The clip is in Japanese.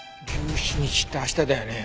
１７日って明日だよね。